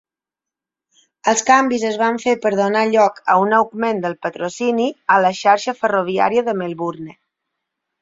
Els canvis es van fer per donar lloc a un augment del patrocini a la xarxa ferroviària de Melbourne.